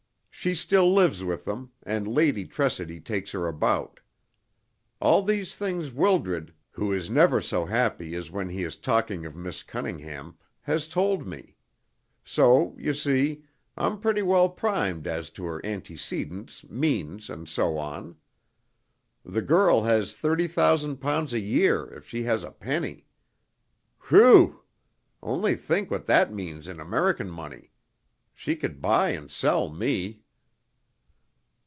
She still lives with them, and Lady Tressidy takes her about. All these things Wildred, who is never so happy as when he is talking of Miss Cunningham, has told me; so you see, I'm pretty well primed as to her antecedents, means, and so on. The girl has thirty thousand pounds a year if she has a penny. Whew! Only think what that means in American money. She could buy and sell me."